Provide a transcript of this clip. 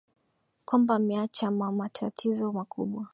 kwamba ameacha ma matatizo makubwa